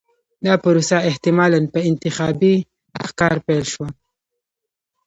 دا پروسه احتمالاً په انتخابي ښکار پیل شوه.